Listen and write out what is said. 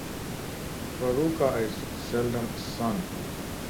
Farruca is seldom sung.